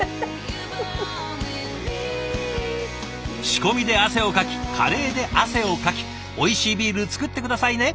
仕込みで汗をかきカレーで汗をかきおいしいビール造って下さいね。